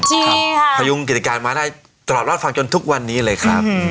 ใช่ค่ะพยุงกิจการมาได้ตลอดรอดฟังจนทุกวันนี้เลยครับ